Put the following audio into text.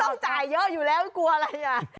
ต้องจ่ายเยอะอยู่แล้วกลัวอะไรอ่ะ